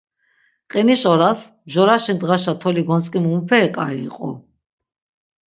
Qiniş oras mjoraşi ndğaşa toli gontzk̆imu muperi k̆ayi iqu.